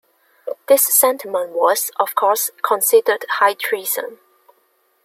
This sentiment was, of course, considered high treason.